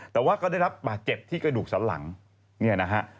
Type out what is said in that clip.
แต่ว่าก็ได้รับบาดเจ็บที่กระดูกสันหลังเนี่ยนะฮะ